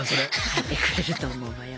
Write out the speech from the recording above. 書いてくれると思うわよ。